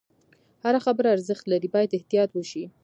هره خبره ارزښت لري، باید احتیاط وشي.